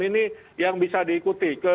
ini yang bisa diikuti ke